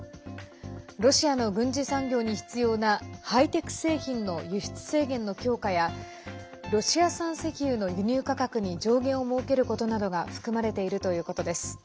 ロシアの軍事産業に必要なハイテク製品の輸出制限の強化やロシア産石油の輸入価格に上限を設けることなどが含まれているということです。